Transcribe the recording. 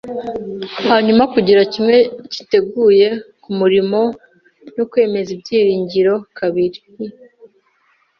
hanyuma, kugira kimwe cyiteguye kumurimo, no kwemeza ibyiringiro kabiri, I.